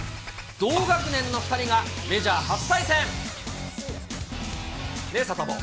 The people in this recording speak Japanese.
同学年の２人がメジャー初対戦。ね、サタボー。